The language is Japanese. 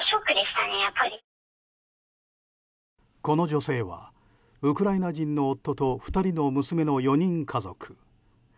この女性はウクライナ人の夫と２人の娘の４人家族。